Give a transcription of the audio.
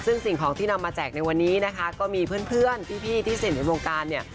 ซึ่งสิ่งของที่นำมาแจกในวันนี้นะคะก็มีเพื่อนพี่ที่สนิทในวงการเนี่ย